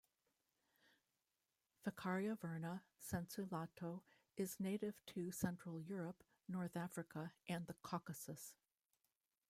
"Ficaria verna" "sensu lato" is native to central Europe, north Africa and the Caucasus.